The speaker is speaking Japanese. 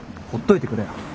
ほっといてくれよ。